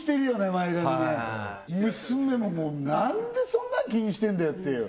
前髪ね娘ももうなんでそんなに気にしてんだよっていう